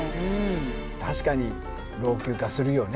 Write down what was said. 確かに老朽化するよね。